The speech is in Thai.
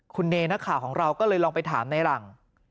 คุณเนนักข่าวของเราก็เลยลองไปถามในหลัง